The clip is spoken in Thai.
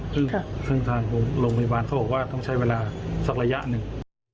ซึ่งทางโรงพยาบาลเขาบอกว่าต้องใช้เวลาสักระยะหนึ่ง